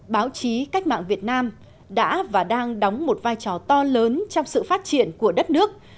báo chí cách mạng việt nam đã và đang đóng một vai trò to lớn trong sự phát triển của đất nước